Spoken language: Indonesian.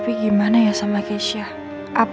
apa nino tetep bisa peduli sama keisha selama reina disana